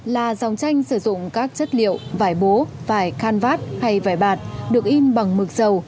là dòng tranh sử dụng các chất liệu vải bú vải can vát hay vải bạt được in bằng mực dầu